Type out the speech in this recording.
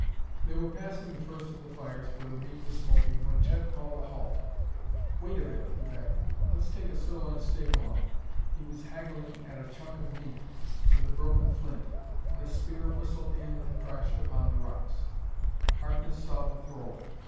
They were passing the first of the fires where the meat was smoking when Chet called a halt. "Wait a bit," he begged: "let's take a sirloin steak along " He was haggling at a chunk of meat with a broken flint when a spear whistled in and crashed upon the rocks. Harkness saw the thrower.